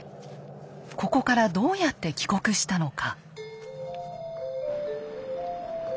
ここからどうやって帰国したのか。